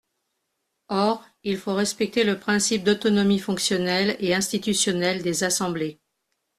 Or il faut respecter le principe d’autonomie fonctionnelle et institutionnelle des assemblées.